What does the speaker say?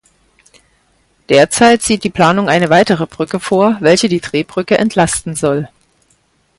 Derzeit sieht die Planung eine weitere Brücke vor, welche die Drehbrücke entlasten soll.